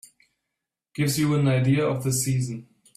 Gives you an idea of the season.